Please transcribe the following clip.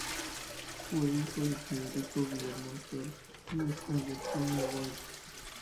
Fue hijo de Federico Guillermo Stork y Albertina Werth.